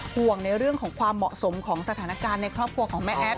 ห่วงในเรื่องของความเหมาะสมของสถานการณ์ในครอบครัวของแม่แอฟ